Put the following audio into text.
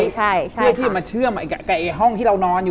ใช่เพื่อที่จะมาเชื่อมกับห้องที่เรานอนอยู่